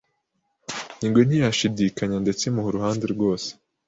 Ingwe ntiyashidikanyandetse imuha uruhande rwose